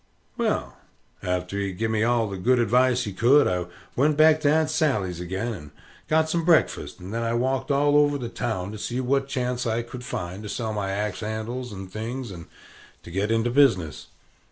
Well, arter he had giv me all the good advice he could, I went back to Aunt Sally's ag'in, and got some breakfast; and then I walked all over the town, to see what chance I could find to sell my axe handles and things and to get into business.